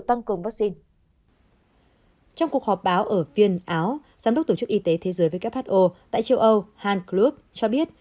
trong cuộc họp báo ở viên áo giám đốc tổ chức y tế thế giới who tại châu âu hanklube cho biết